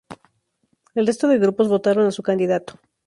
El resto de grupos, votaron a su candidato.